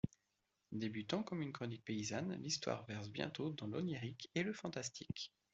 Débutant comme une chronique paysanne, l'histoire verse bientôt dans l'onirique et le fantastique.